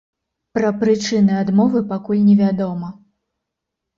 Пра прычыны адмовы пакуль невядома.